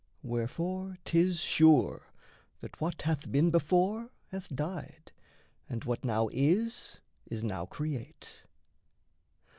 Wherefore 'tis sure that what hath been before Hath died, and what now is is now create.